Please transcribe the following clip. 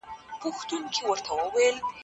اپریدي او شینواري دي.